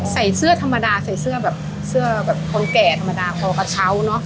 ใส่เสื้อธรรมดาใส่เสื้อแบบเสื้อแบบคนแก่ธรรมดาคอกระเช้าเนอะ